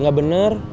dia gak bener